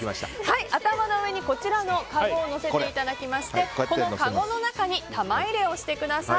頭の上にかごを乗せていただきましてこのかごの中に玉入れをしてください。